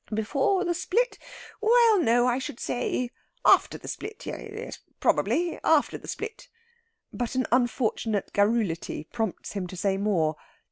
"Before the split? Well, no; I should say after the split. Yes probably after the split." But an unfortunate garrulity prompts him to say more.